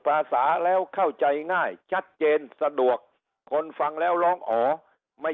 ภาษาแล้วเข้าใจง่ายชัดเจนสะดวกคนฟังแล้วร้องอ๋อไม่